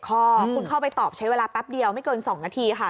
คุณเข้าไปตอบใช้เวลาแป๊บเดียวไม่เกิน๒นาทีค่ะ